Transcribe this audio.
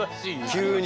急に。